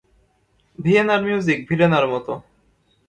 ভিয়েনার music ভিরেনার মত।